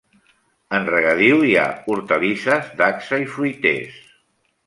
En regadiu hi ha hortalisses, dacsa i fruiters.